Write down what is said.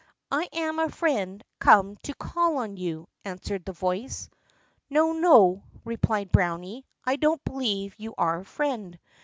"I am a friend come to call on you," answered the voice. "No, no," replied Browny, "I don't believe you are a friend.